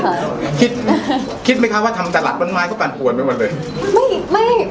คิดไหมคะว่าทำแต่หลักมันมาก็ปัญหาวนไม่วันเลย